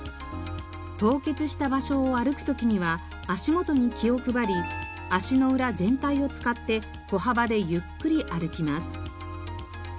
凍結した場所を歩く時には足元に気を配り足の裏全体を使って小幅でゆっくり歩きます。